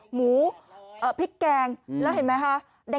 หมูพริกแกงแล้วเห็นไหมคะ